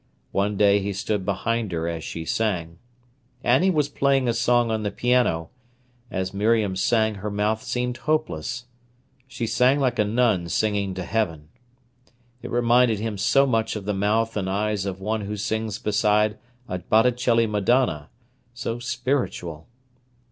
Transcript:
One day he stood behind her as she sang. Annie was playing a song on the piano. As Miriam sang her mouth seemed hopeless. She sang like a nun singing to heaven. It reminded him so much of the mouth and eyes of one who sings beside a Botticelli Madonna, so spiritual.